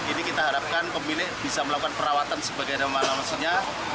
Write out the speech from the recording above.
ini kita harapkan pemilik bisa melakukan perawatan sebagai demam alam senyap